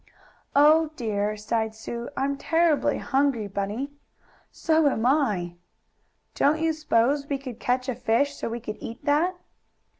"Oh dear!" sighed Sue. "I'm terrible hungry, Bunny!" "So am I!" "Don't you s'pose you could catch a fish, so we could eat that?"